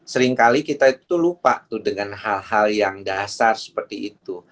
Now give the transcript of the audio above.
seringkali kita itu lupa tuh dengan hal hal yang dasar seperti itu